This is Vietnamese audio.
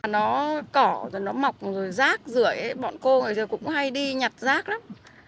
nó cỏ rồi nó mọc rồi rác rưỡi bọn cô ở đây cũng hay đi nhặt rác lắm